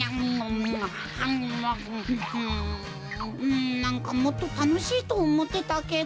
んなんかもっとたのしいとおもってたけど。